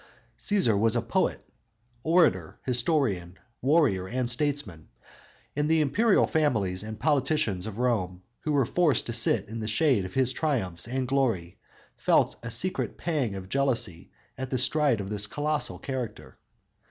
Cæsar was a poet, orator, historian, warrior and statesman, and the imperial families and politicians of Rome, who were forced to sit in the shade of his triumphs and glory, felt a secret pang of jealousy at the stride of this colossal character.